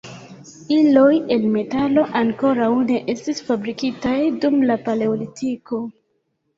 Iloj el metalo ankoraŭ ne estis fabrikitaj dum la paleolitiko.